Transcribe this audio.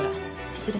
失礼。